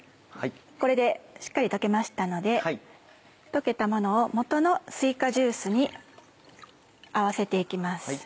これでしっかり溶けましたので溶けたものを元のすいかジュースに合わせて行きます。